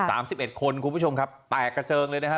สามสิบเอ็ดคนคุณผู้ชมครับแตกกระเจิงเลยนะฮะ